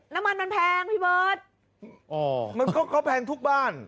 น้ำมันมันแพงพี่เบิร์ตอ๋อมันก็เขาแพงทุกบ้าน